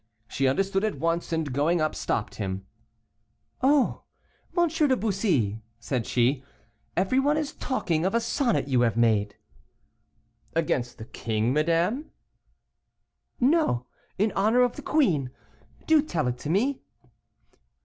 She understood at once, and going up, stopped him. "Oh! M. de Bussy," said she, "everyone is talking of a sonnet you have made." "Against the king, madame?" "No, in honor of the queen; do tell it to me."